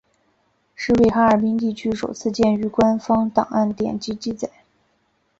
是为哈尔滨地区首次见于官方档案典籍记载。